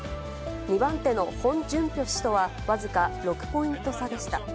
２番手のホン・ジュンピョ氏とは、僅か６ポイント差でした。